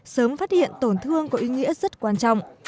sớm phát hiện tổn thương có ý nghĩa rất quan trọng